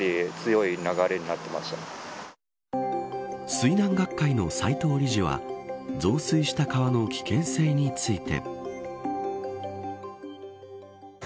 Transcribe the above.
水難学会の斎藤理事は増水した川の危険性について。